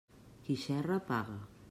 Qui xerra paga.